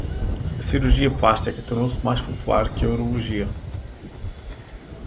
A cirurgia plástica tornou-se mais popular que a urologia.